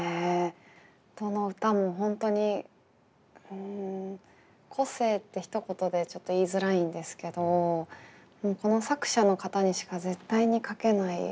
どの歌も本当に個性って一言でちょっと言いづらいんですけどこの作者の方にしか絶対に書けない空気感っていうんですかね